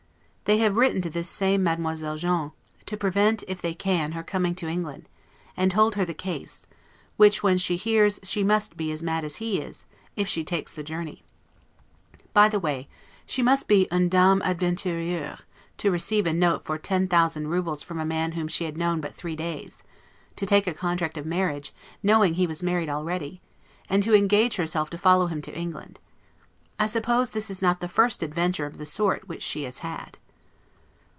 They have written to this same Mademoiselle John, to prevent if they can, her coming to England, and told her the case; which, when she hears she must be as mad as he is, if she takes the journey. By the way, she must be 'une dame aventuriere', to receive a note for 10,000 roubles from a man whom she had known but three days! to take a contract of marriage, knowing he was married already; and to engage herself to follow him to England. I suppose this is not the first adventure of the sort which she has had.